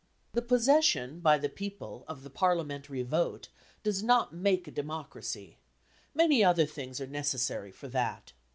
The possession, by the people, of the parliamentary vote does not make a democracy. Many other things are necessary for that.